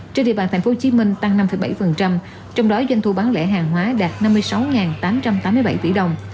trên địa bàn tp hcm tăng năm bảy trong đó doanh thu bán lẻ hàng hóa đạt năm mươi sáu tám trăm tám mươi bảy tỷ đồng